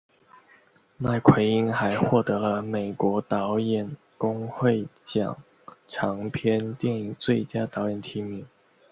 麦奎因还获得了美国导演工会奖长片电影最佳导演提名。